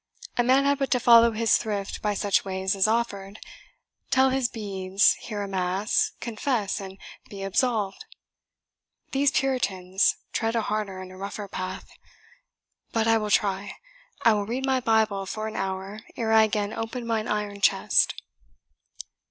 A man had but to follow his thrift by such ways as offered tell his beads, hear a mass, confess, and be absolved. These Puritans tread a harder and a rougher path; but I will try I will read my Bible for an hour ere I again open mine iron chest."